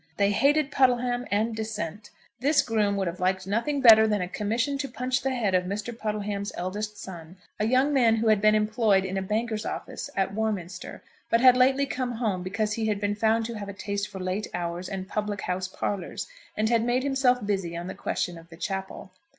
They hated Puddleham and dissent. This groom would have liked nothing better than a commission to punch the head of Mr. Puddleham's eldest son, a young man who had been employed in a banker's office at Warminster, but had lately come home because he had been found to have a taste for late hours and public house parlours; and had made himself busy on the question of the chapel.